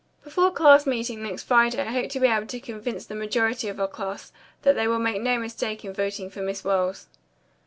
Before class meeting next Friday I hope to be able to convince the majority of 19 that they will make no mistake in voting for Miss Wells."